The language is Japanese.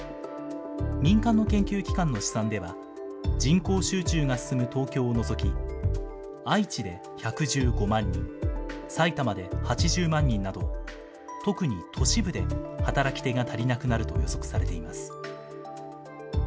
民間の研究機関の試算では、人口集中が進む東京を除き、愛知で１１５万人、埼玉で８０万人など、特に都市部で働き手が足りなくなると予測されています。